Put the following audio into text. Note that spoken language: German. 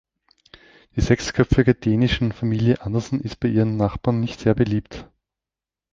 Die sechsköpfige dänischen Familie Anderson ist bei ihren Nachbarn nicht sehr beliebt.